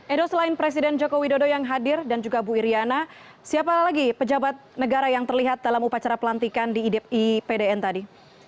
edo selain presiden joko widodo yang hadir dan juga bu iryana siapa lagi pejabat negara yang terlihat dalam upacara pelantikan di ipdn tadi